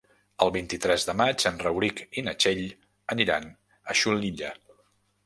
El vint-i-tres de maig en Rauric i na Txell aniran a Xulilla.